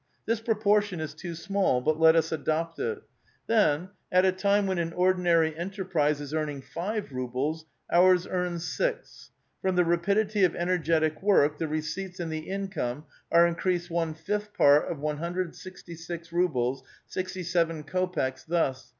This propor tion is too small ; but let us adopt it. Then, at a time when an ordinary enterprise is earning five rubles, ours earns six: — From the rapidity of energetic work the re ceipts and the income are increased one fifth part of 166 rubles, 67 kopeks, thus